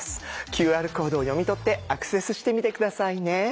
ＱＲコードを読み取ってアクセスしてみて下さいね。